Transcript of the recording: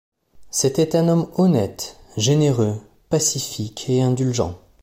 C'était un homme honnête, généreux, pacifique et indulgent.